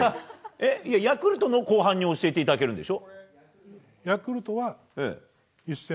ヤクルトのを後半に教えていただけるでしょ。